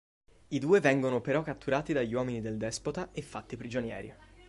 I due vengono però catturati dagli uomini del despota e fatti prigionieri.